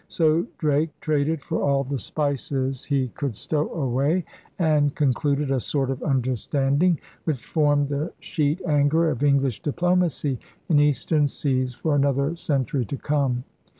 So Drake traded for all the spices he 142 ELIZABETHAN SEA DOGS could stow away and concluded a sort of under standing which formed the sheet anchor of English diplomacy in Eastern seas for another century to come.